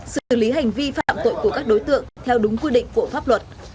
xử lý hành vi phạm tội của các đối tượng theo đúng quy định của pháp luật